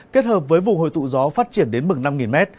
kết hợp với vùng hồi tụ gió phát triển đến mực năm m